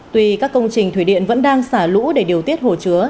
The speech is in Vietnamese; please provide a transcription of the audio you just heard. tuy các công trình thủy điện vẫn đang xả lũ để điều tiết hồ chứa